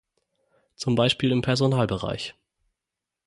Zum Beispiel im Personalbereich.